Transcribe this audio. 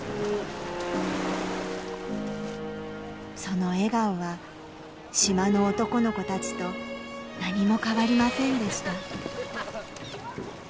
その笑顔は島の男の子たちと何も変わりませんでした。